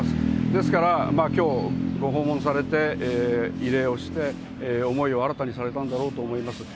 ですから、きょう、ご訪問されて慰霊をして、思いを新たにされたんだろうと思います。